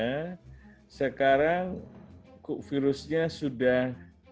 karena sekarang virusnya sudah